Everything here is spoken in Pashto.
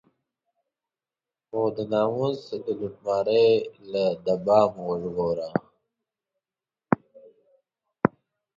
خو د ناموس د لوټمارۍ له دبا مو وژغوره.